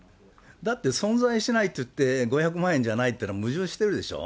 だって存在しないって言って５００万円じゃないっていうのは矛盾してるでしょ。